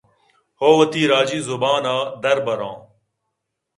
ءُ وتی راجی زُبان ءَ دربر آں